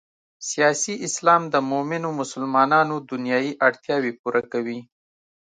سیاسي اسلام د مومنو مسلمانانو دنیايي اړتیاوې پوره کوي.